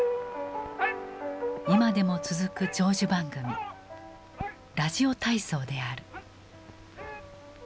今でも続く長寿番組「ラジオ体操」である。